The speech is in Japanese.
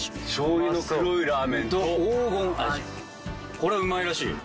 これうまいらしいよ。